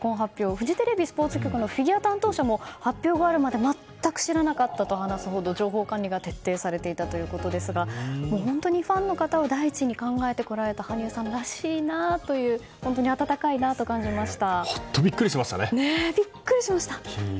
フジテレビスポーツ局のフィギュア担当者も発表があるまで全く知らなかったと話すほど情報管理が徹底されていたということですが本当にファンの方を第一に考えてこられた羽生さんらしいなという本当に温かいなと感じました。